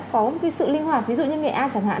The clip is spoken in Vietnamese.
có một sự linh hoạt ví dụ như nghệ an chẳng hạn